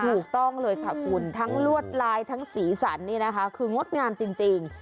ถูกต้องเลยค่ะคุณทั้งลวดลายทั้งสีสันนี่นะคะคืองดงามจริง